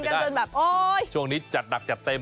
ไม่ได้ช่วงนี้จัดดับจัดเต็ม